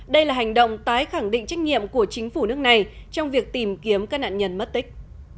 đây là hành động tái khẳng định trách nhiệm của chính phủ nước này trong việc tìm kiếm các nạn nhân mất tích